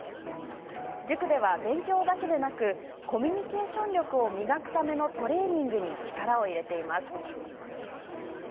塾では、勉強だけでなくコミュニケーション力を磨くためのトレーニングに力を入れています。